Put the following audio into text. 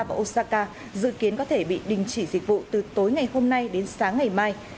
và osaka dự kiến có thể bị đình chỉ dịch vụ từ tối ngày hôm nay đến sáng ngày mai